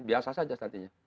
biasa saja nantinya